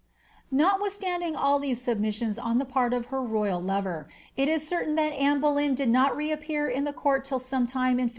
Notwithttundin^ all these submissions on the part of her royal lover, it is certain that Anne Boleyn did not reappear in the court till some time in 15!